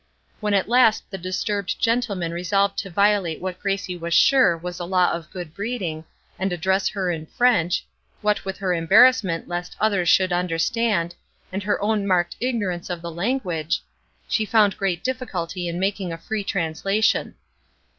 When at last the disturbed gentleman resolved to violate what Gracie was sure was a law of good breeding, and address her in French, what with her embarrassment lest others should understand, and her own marked ignorance of the language, she found great difficulty in making a free translation.